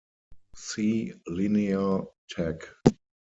See Linear Tech.